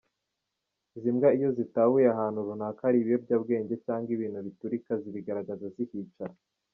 Izi mbwa iyo zitahuye ko ahantu runaka hari ibiyobyabwenge cyangwa ibintu biturika zibigaragaza zihicara.